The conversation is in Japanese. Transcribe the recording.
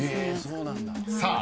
［さあ